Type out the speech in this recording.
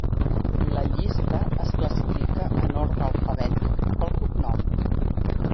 La llista es classifica en ordre alfabètic pel cognom.